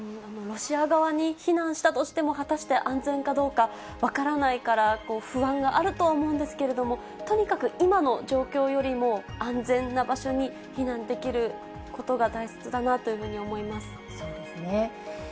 ロシア側に避難したとしても、果たして安全かどうか分からないから、不安があるとは思うんですけれども、とにかく今の状況よりも安全な場所に避難できることが大切だなとそうですね。